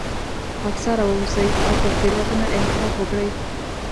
خاکساره واوسئ او پر تېروتنه اعتراف وکړئ.